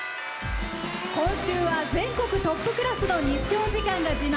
今週は全国トップクラスの日照時間が自慢。